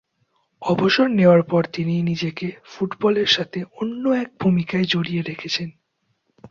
অবসর নেওয়ার পর তিনি নিজেকে ফুটবলের সাথে অন্য এক ভূমিকায় জড়িয়ে রেখেছেন।